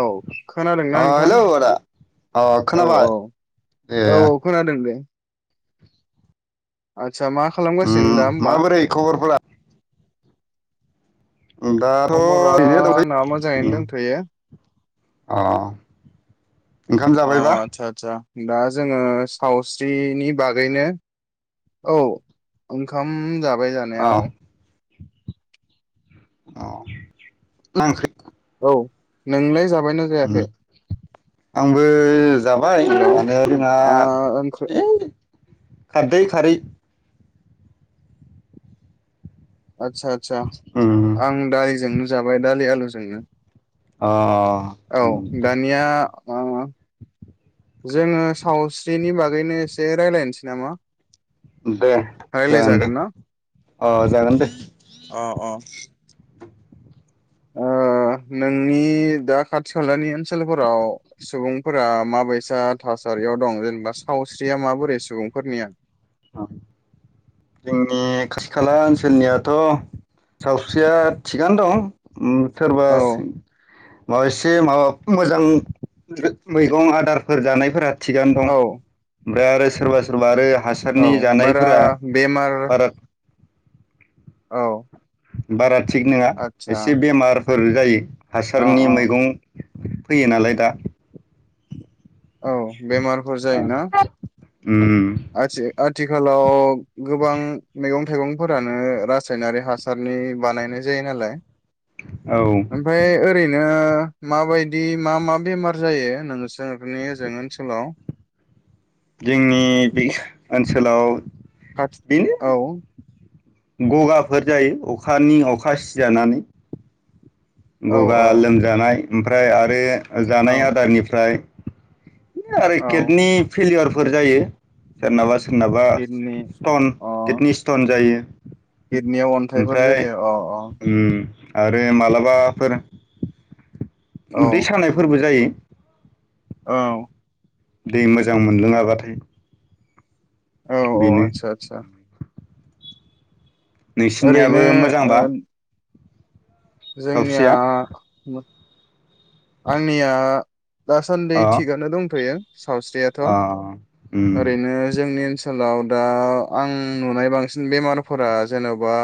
औ खोनादोंना अ नोंथां? हेलौ आदा अ औ खोनाबाय औ औ ए औ खोनादों दे। आ दसा मा खालामगासिनो उम दा होमबा? माबोरै खबरफोरा दाथ' खबरा ओरैनो आंना दंथ'यो मोजाङैनो उम दंथ'यो। अ ओंखाम अ जाबायबा आतसा आतसा दा जोङो सावस्रिनि बागैनो औ ओंखाम जाब बाय अ जानाया औ अ मा ओंख्रि? औ नोंलाय जा बायना जायाखै उम आंबो जा जाबाय हेल' माने जोंहा आ ओंख्रि ऐ खारदै खारै आतसा आतसा उम अ आं दा एजोंनो जाबाय दालि आलुजोंनो। अ औ दानिया ओ जोंङो सावस्रिनि बागैनो एसे रायज्लायनोसै नामा? दे जागोन दे रायलायजागोन ना अ जागोन दे। अ अ ओ नोंनि दा खाथि खालानि ओनसोलफोराव सुबुंफोरा माबायसा थासारियाव दं जेनेबा सावस्रिया माबोरै सुबुंफोरनिया? जोंनि खाथि खाला ओनसोलनियाथ' सावस्रिया थिगानो दं। औ सोरबासो मा एसे माबा मोजां मैगं आदारफोर जानायफोरा थिगानो दं। औ ओमफ्राय आरो सोरबा सोरबा आरो औ जारनि बारा जानायफोरा बेमार बारा औ बारा थिग नोङा आतसा एसे बेमार फोर जायो। अ हासारनि अ मैगं फैयो नालाय दा औ बेमारफोर जायोना। उम आथसे आथ थिखालाव गोबां मैगं थाइगंफोरानो रासायनारि हासारनि बानायनाय जायो नालाय औ ओमफाय ओरैनो माबायदि मा मा बेमार जायो नोंसोरनि ओजों ओनसोलाव? जोंनि बे ओनसोलाव [unintelligible] बेनो औ। ग'गाफोर जायो अखानि अखा सिजानानै। औ ग'गा औ लोमजानाय ओमफ्राय आरो ओ जानाय औ आदारनिफ्राय आरो औ केडनि फेलियर फोर जायो सोरनाबास सोरनाबा किडनि स्टन अ किडनि स्टन जायो किडनियाव अन्थाइफोर ओमफ्राय जायो अ अ उम आरो मालाबा फोर औ उदै सानायफोरबो जायो। औ। दै मोजां मोनलोङाबाथाय। औ औ बेनो आतसा आतसा। ओरैनो नोंसिनियाबो ओ मोजांबा‌ जोंनिया आंनिया दासान्दि अ थिगानो दंथ'यो सावस्रियाथ' अ उम ओरैनो जोंनि ओनसो सोलाव दा आं नुनाय बांसिन बेमारफोरा जेन'बा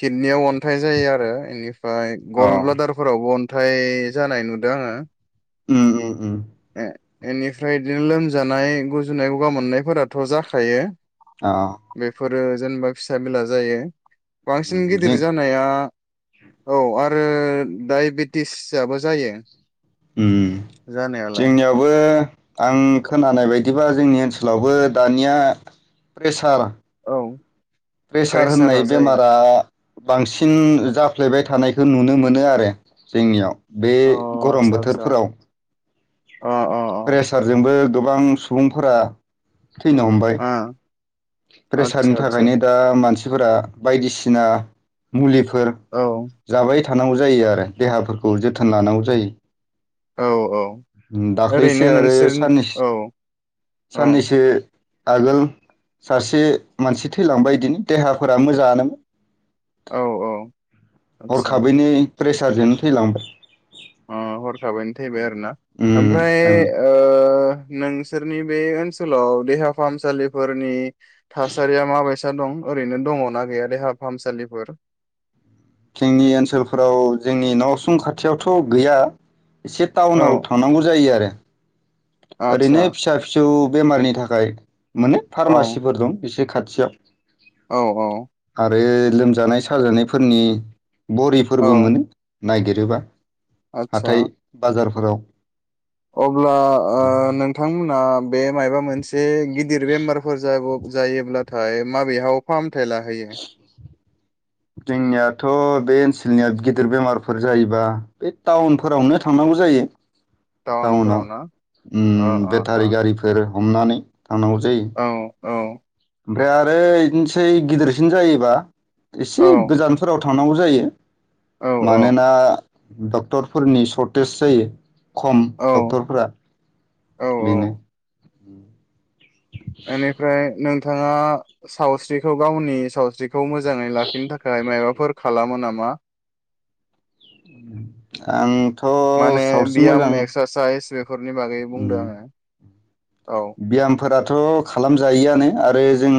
किडनियाव अन्थाइ जायो आरो इनिफ फ्राय गल अ ब्लादारफोरावबो अन थाइ जानाय नुदों आङो। उम उम उम। ए एनिफ्राय बिदिनो लोमजानाय गुजुनाय ग'गा मोननायफोराथ' जाखायो। अ बेफोरो जेनेबा फिसा मेला जायो उम बांसिन गिदिर जों जानाया औ आरो डायबेटिस दाबो जायो उम जानायालाय जोंनियावबो आं खोनानाय बायदिबा जोंनि ओनसोलावबो दानिया प्रेसार औ प्रेसार प्रेसारा होननाय जायो बेमारा बांसिन जाफ्लेबाय थानायखो नुनो मोनो आरो जोंनियाव बे अ गरम आतसा आतसा बोथोरफोराव अ अ प्रेसारजोंबो गोबां सुबुंफोरा थैनो हमबाय ओ प्रेसारनि आतसा आतसा थाखायनो दा मानसि फोरा बायदिसिना मुलि फोर औ जाबाय थ थानांगौ जायो आरो देहाफोरखौ जोथोन लानांगौ जायो औ औ दाख्लैसो ओरैनो आरो नोंसोर साननै औ औ साननैसो आगोल सासे मानसि थैलांबाय बिदिनो देहाफोरा मोजाङानोमोन। औ औ आदसा। हरखाबैनो प्रेसारजोंनो थैलांबाय। अ हरखाबायनो थैबाय आरो ना ओम ओमफ्राय ओं ओ नोंसोरनि बे ओनसोलाव देहा फाहामसालिफोरनि थासारिया माबाय दं ओरैनो दङ ना गैया देहा फाहामसालिफोर? जोंनि ओनसोलफोराव जोंनि न' उसुं खाथियावथ' गैया। एसे औ टाउनाव थांनांगौ जायो आरो। आदसा ओरैनो फिसा फिसौ बेमारनि थाखाय माने औ फार्मासिफोर दं बिसोर खाथि [unintelligible] औ औ बै लोमजानाय साजानायफोरनि बरि फोरबो औ मोनो नागिरोबा आदसा हाथाय बाजार फोराव अब्ला ओ नोंथांमोना बे मायबा मोनसे गिदिर बेमारफोर जायाबोब जायोब्लाथाय माबेहाव फाम थाय लाहैयो? जोंनियाथ बे ओनसोलनिया गिदिर बेमारफोर जायोबा ए टाउनफोरावनो थांनांगौ जायो। टाउनफोराव ना टाउनाव अ ओम अ अ बेथारि गारिफोर हमनानै थांनांगौ जायो। औ औ ओमफ्राय आरो इदिनसै गिदिरसिन जायोबा औ एसे गोजानफोराव थांनांगौ जायो। औ मानोना डक्टरफोरनि सशर्टेज जायो। खम औ डक्टरफोरा औ औ बेनो। ओम। बेनिफ्राय नों थाङा सावस्रिखौ गावनि सावस्रि खौ मोजाङै लाखिनो थाखाय माबाफोर खालामो नामा? मा। आं माने बियाम एक्सारसाइस बेफोरनि बागै बुंदों आङो। औ बियामफोरा थ' खालामजायोआनो आरो जों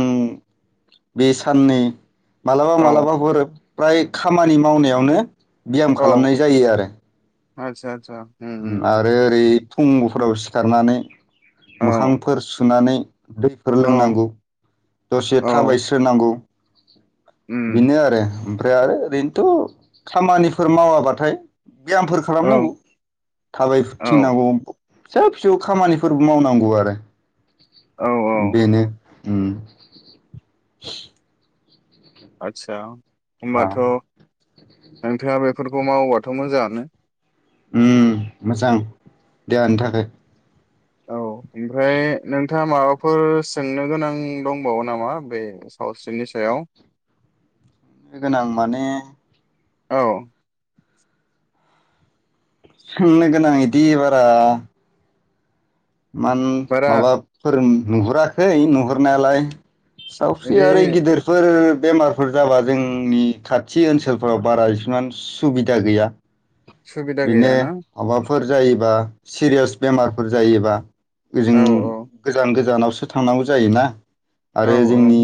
बे साननै मालाबा औ मलाबाफोर फ्राय खामानि मावनायावनो। बियाम खालामनाय जायो आरो। आदसा ओम आरो ओरै फुंफोराव सिखारनानै औ मोखांफोर सुनानै दैफोर औ लोंनांगौ दसे औ थाबायस्रोनांगौ। [inaudible] उम बिनो आरो ओरो ओरैनोथ' खामानिफोर मावाबाथाय बेयामफोर औ खालामनांगौ थाबाय औ थिंनांगौ फिसा फिसौ खामानिफोरबो मावनांगौ आरो औ औ बेनो उम आच्छा अ ओमबाथ' नोंथाङा बेफोरखौ मावोबाथ' मोजाङानो ओम मोजां देहानि थाखाय औ ओमफ्राय नों नोंथाङा माबाफोर सोंनो गोनां दंबावो नामा बे सावस्रिनि सायाव। गोनां माने औ सोंनो गोनां इदि बारा मान बारा माबा फोरों नुहुराखै नुहुरनायालाय सावस्रि बिदि आरो गिदिरफोर बेमारफोर जाबा जोंनि खाथि ओन्सोलफोराव बारा इसिमान सुबिदा गैया। सुबिदा गैया ना? फोर जायोबा सिरियास बेमारफोर जायोबा। जों औ गोजान गोजानाव सो थांनांगौ जायोना। औ आरो जोंनि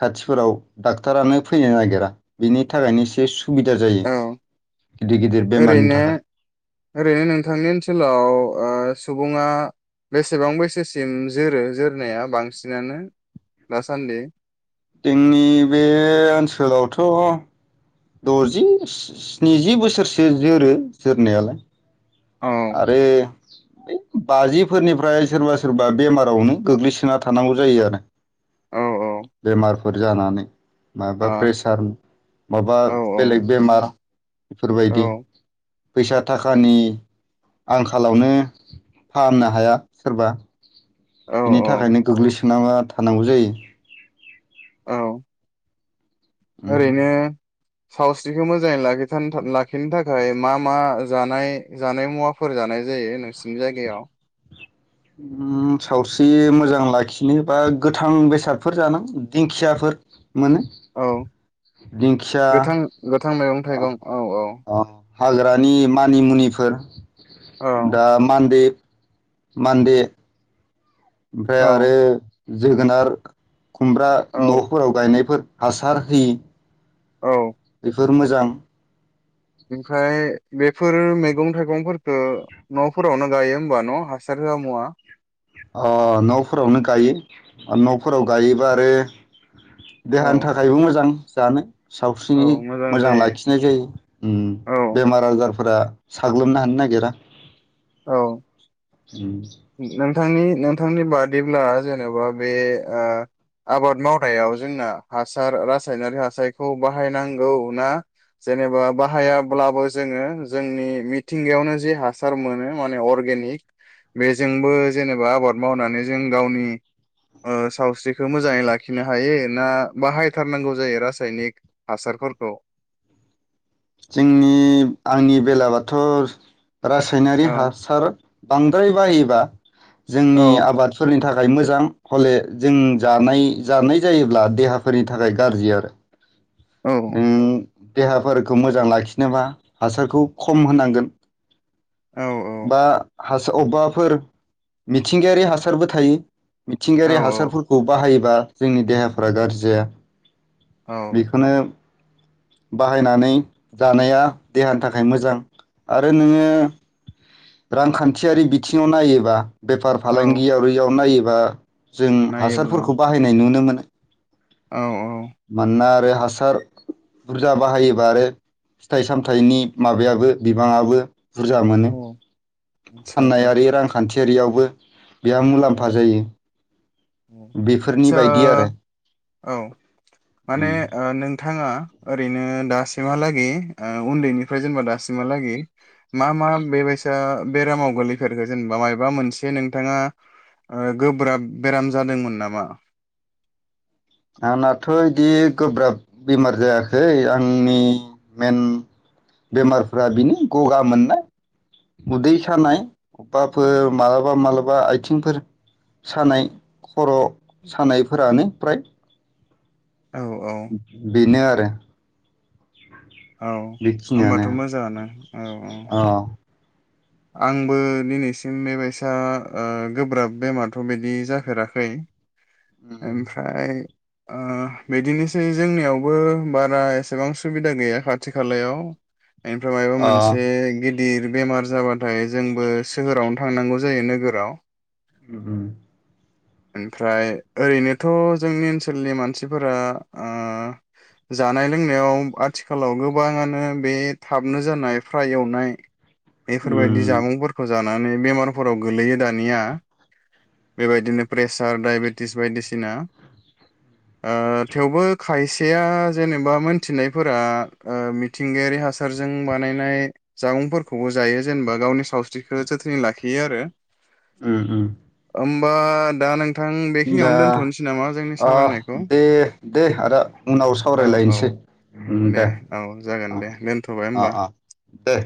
खाथिफोराव डाक्टारानो फैनो नागिरा बिनि थाखायनो एसे सुबिदा जायो औ गिदिर गिदिर बेमारनि ओरैनो थाखाय ओरैनो नोंथांनि ओन्सोलाव ओ सुबुङा बेसेबां बैसोसिम जोरो जोरनाया बांसिनानो दासान्दि जोंनि बे ओन्सोलावथ' द'जि स्निजि बोसोरसो जोरो जोरनायालाय। औ आरो बाजिफोरनिफ्राय सोरबा सोरबा बेमारावनो गोग्लैसोना थानांगौ जायो आरो। औ औ बेमारफोर जानानै आ माबा प्रेसार माबा औ बेलेग बेमार। औ बेफोरबायदि। फैसा थाखानि। आंखालावनो फाहामनो हाया सोरबा। बिनि औ थाखायनो गोग्लैसो सोनांना थानांगौ जायो। औ। ओरैनो। सावस्रिखौ मोजाङै लाखिनो थाखाय मा मा जानाय जानाय मुवाफोर जानाय जायो नोंसिनि जायगायाव। उम सावस्रि मोजां लाखिनो बा गोथां बेसादफोर जानां दिंखियाफोर। मोनो औ दिंखिया गोथां गोथां मैगं। थाइगं औ औ। हाग्रानि मानि मुनिफोर। औ दा मानदे। मानदे। ओमफ्राय औ आरो। जोगोनार। खुमब्रा औ नफोराव गायनायफोर। हासार होयै। औ। बेफोर मोजां। ओमफ्राय। बेफोर मैगं थाइगंफोरखौ नफोरावनो गायो होमबा न हासार होआ मुवा। अ नफोरावनो गायो आरो नफोराव गायोबा आरो। औ देहानि थाखायबो मोजां। जानो। औ सावस्रिनि मोजां जायो लाखिनाय जायो उम औ बेमार आजारफोरा। साग्लोबनो हानो नागिरा। औ। उम नोंथांनि। नोंथांनि बादिब्ला जेनेबा बे ओ आबाद मावनायाव जोंना हासार रासायनारि हासारखौ बाहायनांगौ ना जेनेबा बाहायाब्लाबो जोङो जोंनि मिथिंगायावनो जे हासार मोनो माने अर्गेनिक। बेजोंबो जेनेबा आबाद मावनानै जों गावनि ओ सावस्रिखौ मोजाङै लाखिनो हायो ना बाहायथारनांगौ जायो रासायनिक हासारफोरखौ। जोंनि आंनि बेला बाथ। रासायनारि औ हासार। बांद्राय बाहायोबा। औ जोंनि आबादफोरनि थाख। थाखाय मोजां हले जों जानाय जानाय जायोब्ला देहाफोरनि थाखाय गाज्रि आरो। औ ओम। देहाफोरखौ मोजां लाखिनोबा हासारखौ खम होनांगोन। औ बा। हासार अबेबाफोर मिथिंगायारि हासारबो थायो। औ मिथिंगायारि हासारफोरखौ बाहायो। बा जोंनि देहाफोरा गाज्रि जाया। औ बेखोनो। बाहायनानै जानाया देहानि थाखाय मोजां आरो नोङो। रांखान्थियारि बिथिङाव नायोबा बेफार औ फालांगियारियाव नायोब्ला। बा। जों नायोब्ला हासारफोरखौ बाहायनाय नुनो मोनो। औ मानोना। आरो हासार बुरजा बाहायोबा आरो फिथाइ सामथाइनि माबायाबो बिबांआबो बुरजा मोनो। औ। आदसा आदसा फाननायारि रांखान। खान्थियारियावबो। बेहा मुलाम्फा औ जायो। औ बेफोरनि आदसा बायदि आरो। औ माने उम नोंथां। नोंथाङा ओरैनो दासिमहालागै ओ उन्दैनिफ्राय जेनेबा दासिमहालागै मा मा बेबायसा बेरामाव गोलैफेरखो जेनेबा मायबा मोनसे नोंथाङा। गोब्राब बेराम जादोंमोन नामा। बिदि गोब्राब बेमार जायाखै आंनि मेन बेमारफ्रा बेनि गगा मोननाय। उदै सानाय अबावबाफोर मालाबा मालाबा आथिंफोर सानाय खर सानायफोरानो प्राय। औ औ बिनो आरो। दे। औ होनबाथ मोजाङानो औ औ। अ आंबो दिनैसिम बेबायसा ओ गोब्राब बेमारथ बिदि जाफेराखै। उम ओमफ्राय। ओ बिदिनोसै जोंनियावबो बारा एसेबां सुबिदा गैया खाथि खालायाव बेनिफ्राय मायबा अ मोनसे गिद गिदिर बेमार जाबा ओमफ्राय जोंबो सोहोरावनो थांनांगौ जायो नोगोराव। उम उम। ओमफ्राय ओरैनोथ जोंनि ओनसोलनि मानसिफोरा ओ जानाय लोंनायाव आथिखालाव गोबाङानो बे थाबनो जानाय फ्राय एवनाय बेफोरबायदि उम जामुंफोरखौ जानाय माने बेमारफोराव गोलैयो दानिया। बेबायदिनो प्रे सार, डायबेटिस बायदिसिना। ओ थेवबो खायसेया जेनेबा मोन्थिनायफोरा ओ मिथिंगायारि हासारजों बानायनाय जामुंफोरखौबो जायो जेनेबा गावनि सावस्रिखौ जोथोनै लाखियो आरो। उम उम। होमबा दा नों दा अह सावरायनायखौ दे दे आदा उनाव औ औ सावरायलायनोसै उम दे औ जागोन दे दोनथ'बाय अ होमबा अ दे।